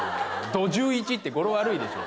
土１１って語呂悪いでしょう。